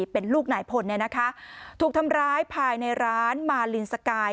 เป็นลูกนายพลเนี่ยนะคะถูกทำร้ายภายในร้านมาลินสกาย